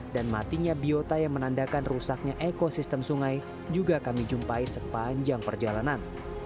dan matinya biota yang menandakan rusaknya ekosistem sungai juga kami jumpai sepanjang perjalanan